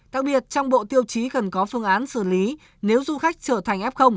đặc biệt trong bộ tiêu chí cần có phương án xử lý nếu du khách trở thành f